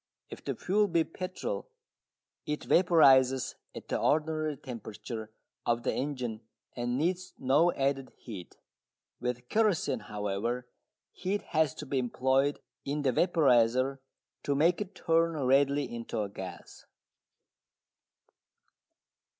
If the fuel be petrol it vaporises at the ordinary temperature of the engine and needs no added heat. With kerosene, however, heat has to be employed in the vaporiser to make it turn readily into a gas.